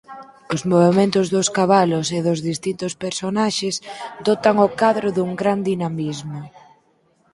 Os movementos dos cabalos e dos distintos personaxes dotan o cadro dun gran dinamismo.